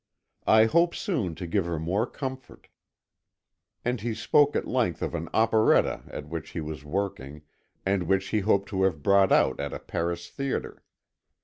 I hope soon to give her more comfort." And he spoke at length of an operetta at which he was working and which he hoped to have brought out at a Paris theatre.